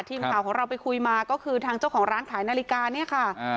ทีมข่าวของเราไปคุยมาก็คือทางเจ้าของร้านขายนาฬิกาเนี่ยค่ะ